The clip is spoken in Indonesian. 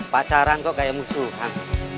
pacaran kok kayak musuh kan